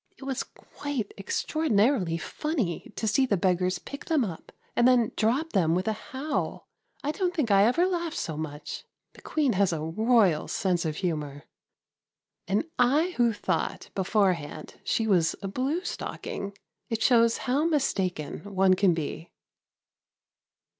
It was quite extraordinarily funny to see the beggars pick them up and then drop them with a howl! I don't think I ever laughed so much! The Queen has a royal sense of humour. And I who thought beforehand she was a blue stocking! It shows how mistaken one can be.